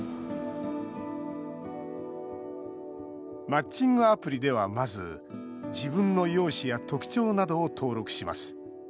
マッチングアプリでは、まず自分の容姿や特徴などを登録します。